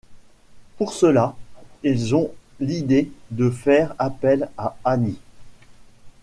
Pour cela, ils ont l'idée de faire appel à Annie.